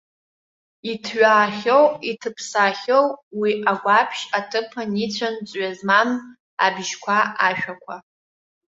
Иҭҩаахьоу, иҭыԥсаахьоу уи агәаԥшь аҭыԥан ицәан ҵҩа змам абжьқәа, ашәақәа.